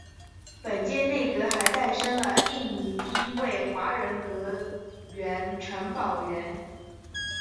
本届内阁还诞生了印尼第一位华人阁员陈宝源。